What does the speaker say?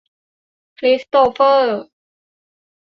คริสโตเฟอร์